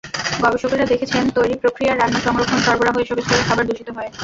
গবেষকেরা দেখেছেন, তৈরি প্রক্রিয়া, রান্না, সংরক্ষণ, সরবরাহ এসব স্তরে খাবার দূষিত হয়।